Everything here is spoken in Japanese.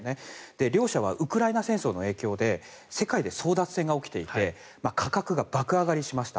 両者はウクライナ戦争の影響で世界で争奪戦が起きていて価格が爆上がりました。